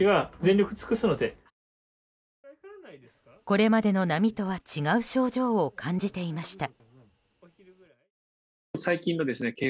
これまでの波とは違う症状を感じていました。